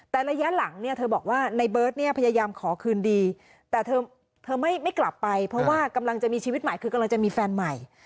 แต่ระยะหลังเนี่ยเธอบอกว่าในเบิร์ตเนี่ยพยายามขอคืนดีแต่เธอไม่กลับไปเพราะว่ากำลังจะมีชีวิตใหม่คือกำลังจะมีแฟนใหม่